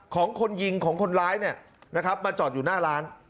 ของคนยิงของคนร้ายเนี่ยนะครับมาจอดอยู่หน้าร้าน